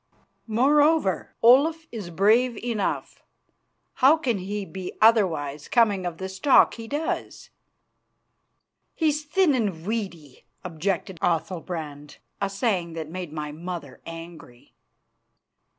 Moreover, Olaf is brave enough. How can he be otherwise coming of the stock he does?" "He is thin and weedy," objected Athalbrand, a saying that made my mother angry.